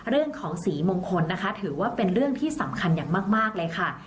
เรื่องของสีมงคลนะคะถือว่าเป็นเรื่องที่สำคัญอย่างมากเลยค่ะ